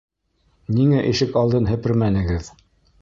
Ниңә ишек алдын һепермәнегеҙ?